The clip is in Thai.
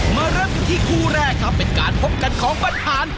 เริ่มกันที่คู่แรกครับเป็นการพบกันของปัญหา